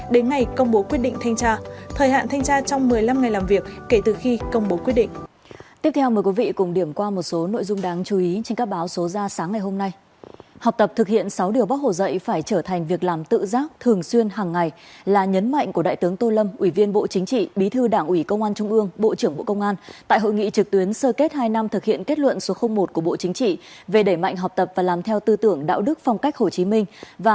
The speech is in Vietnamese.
đến ngày công bố quyết định thanh tra thời hạn thanh tra trong một mươi năm ngày làm việc kể từ khi công bố quyết định